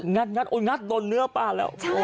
งัดงัดโดนเนื้อป้าแล้ว